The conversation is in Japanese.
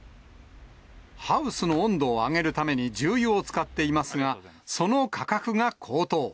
ハウスの温度を上げるために、重油を使っていますが、その価格が高騰。